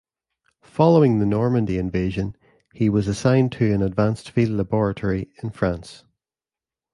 Following the Normandy invasion, he was assigned to an advanced field laboratory in France.